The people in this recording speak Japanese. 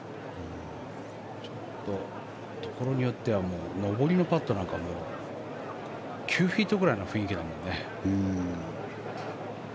ちょっと、ところによっては上りのパットなんか９フィートぐらいの雰囲気だもんね。